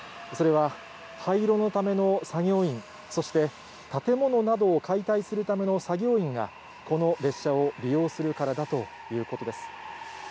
それは、廃炉のための作業員、そして建物などを解体するための作業員が、この列車を利用するからだということです。